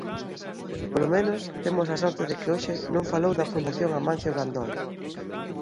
Polo menos temos a sorte de que hoxe non falou da Fundación Amancio Gandoi.